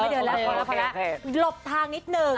จบแล้วหลบทางนิดหนึ่ง